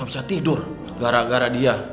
bisa tidur gara gara dia